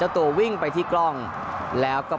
ตัววิ่งไปที่กล้องแล้วก็